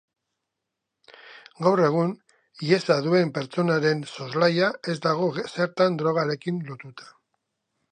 Gaur egun, hiesa duen pertsonaren soslaia ez dago zertan drogarekin lotuta.